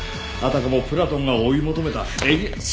あたかもプラトンが追い求めた永遠。